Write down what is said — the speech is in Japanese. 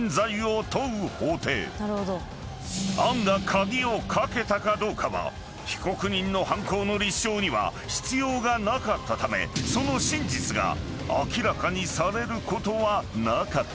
［杏が鍵を掛けたかどうかは被告人の犯行の立証には必要がなかったためその真実が明らかにされることはなかった］